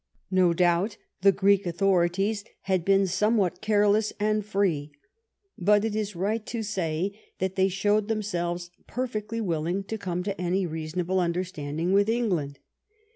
No doubt the Greek authori ties had been somewhat careless and free, but it is right to say that they showed themselves perfectly willing to come to any reasonable understanding with England.